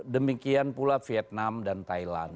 demikian pula vietnam dan thailand